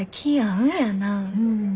うん。